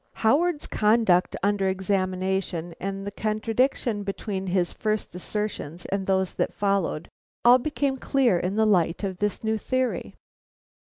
Howard's conduct under examination and the contradiction between his first assertions and those that followed, all become clear in the light of this new theory.